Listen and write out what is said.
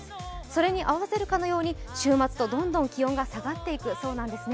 それに合わせるかのように週末とどんどん気温が下がっていくそうです。